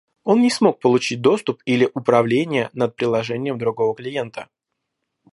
Он не смог получить доступ или управление над приложением другого клиента